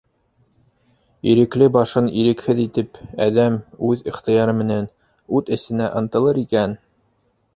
- Ирекле башын ирекһеҙ итеп, әҙәм үҙ ихтыяры менән ут эсенә ынтылыр икән...